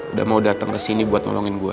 udah mau dateng kesini buat nolongin gue